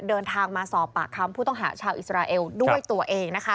เดินทางมาสอบปากคำผู้ต้องหาชาวอิสราเอลด้วยตัวเองนะคะ